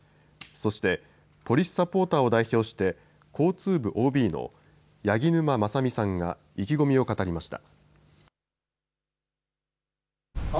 そしてポリスサポーターを代表して交通部ＯＢの八木沼正巳さんが意気込みを語りました。